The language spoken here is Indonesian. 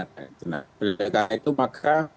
mereka itu maka